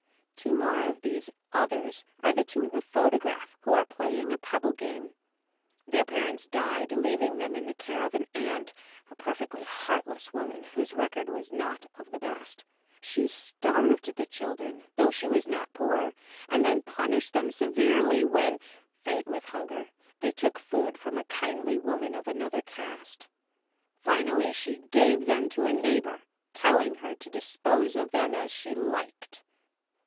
Two more of these "others" are the two in the photograph who are playing a pebble game. Their parents died leaving them in the care of an aunt, a perfectly heartless woman whose record was not of the best. She starved the children, though she was not poor; and then punished them severely when, faint with hunger, they took food from a kindly woman of another caste. Finally she gave them to a neighbour, telling her to dispose of them as she liked.